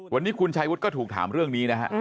วันนี้คุณชายวุฒิก็ถูกถามเรื่องนี้นะฮะ